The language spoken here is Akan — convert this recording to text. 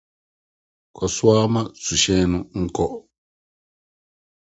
Kɔ so ara ma suhyɛn no nkɔ